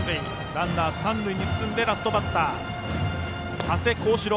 ランナー、三塁に進んでラストバッター、長谷鴻志郎。